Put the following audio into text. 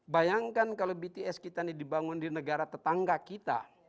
bayangkan kalau bts kita ini dibangun di negara tetangga kita